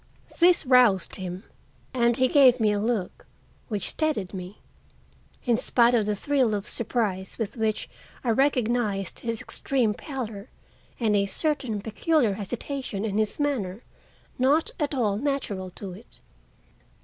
This roused him and he gave me a look which steadied me, in spite of the thrill of surprise with which I recognized his extreme pallor and a certain peculiar hesitation in his manner not at all natural to it.